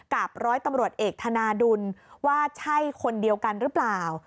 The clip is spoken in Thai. กับร้อยตำรวจเอกธนาดุลว่าใช่คนเดียวกันหรือเปล่า